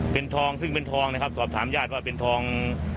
เป็นทองซึ่งเป็นทองนะครับสอบถามญาติว่าเป็นทอง